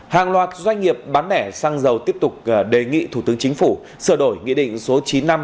hàng loạt doanh nghiệp bán nẻ xăng dầu tiếp tục đề nghị thủ tướng chính phủ sửa đổi nghị định số chín nghìn năm trăm hai mươi hai